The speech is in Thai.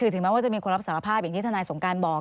ถึงแม้ว่าจะมีคนรับสารภาพอย่างที่ทนายสงการบอก